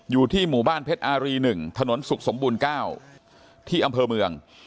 อยู่ที่หมู่บ้านเพชรอารี๑ถนนสุขสมบูรณ์๙ที่อำเภอเมือง